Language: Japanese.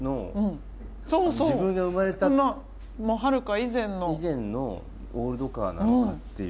以前のオールドカーなのかっていう。